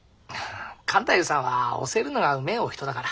勘太夫さんは教えるのがうめえお人だから。